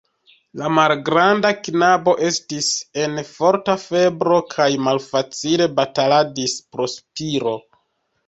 La malgranda knabo estis en forta febro kaj malfacile bataladis pro spiro.